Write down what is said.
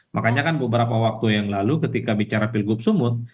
makanya kan beberapa waktu yang lalu ketika bicara pilgub sumut